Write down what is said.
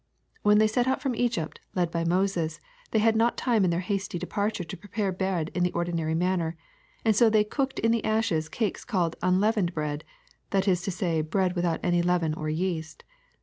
When they set out from Egypt, led by Moses, they had not time in their hasty departure to prepare bread in the ordinary manner, and so they cooked in the ashes cakes called unleavened bread, that is to say bread without any leaven or yeast.